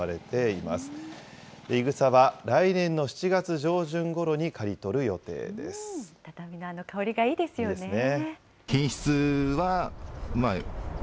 いぐさは来年の７月上旬ごろに刈り取る予定です。ですね。